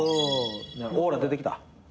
オーラ出てきた？